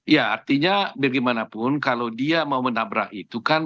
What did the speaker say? ya artinya bagaimanapun kalau dia mau menabrak itu kan